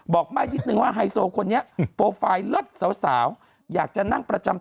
บอกไม่นิดนึงว่าไฮโซคนนี้โปรไฟล์เลิศสาวอยากจะนั่งประจำ